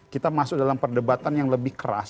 kita masuk dalam perdebatan yang lebih keras